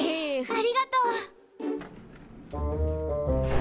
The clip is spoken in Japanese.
ありがとう！